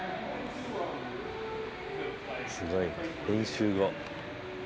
すごいね練習後。